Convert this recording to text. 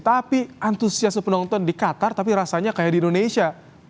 tapi antusiasme penonton di qatar tapi rasanya kayak di indonesia